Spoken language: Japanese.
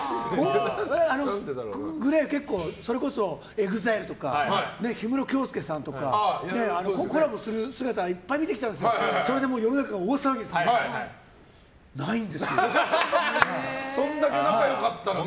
ＧＬＡＹはそれこそＥＸＩＬＥとか氷室京介さんとかコラボする姿をいっぱい見てきたんですがそれで世の中大騒ぎですがそんだけ仲良かったらね。